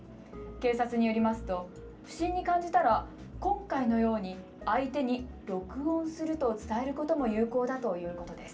警察によりますと不審に感じたら今回のように相手に録音すると伝えることも有効だということです。